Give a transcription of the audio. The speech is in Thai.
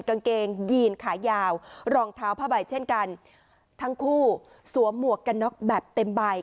กางเกงยีนขายาวรองเท้าผ้าใบเช่นกันทั้งคู่สวมหมวกกันน็อกแบบเต็มใบ